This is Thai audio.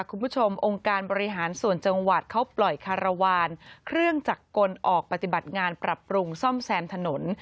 คุณผู้ชมองค์การบริหารส่วนจังหวัดเขาปล่อยคารวาลเครื่องจักรกลออกปฏิบัติงานปรับปรุงซ่อมแซมถนน